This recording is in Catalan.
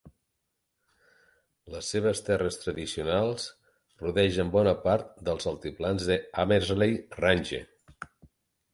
Les seves terres tradicionals rodegen bona part dels altiplans del Hamersley Range.